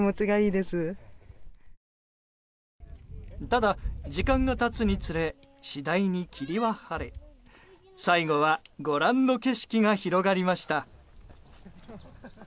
ただ時間が経つにつれ次第に、霧は晴れ最後はご覧の景色が広がりました。